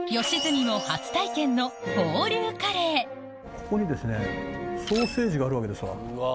ここにソーセージがあるわけですわ。